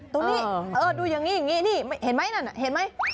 ตรงนี้ดูอย่างนี้อย่างนี้นี่เห็นไหมนั่นเห็นไหม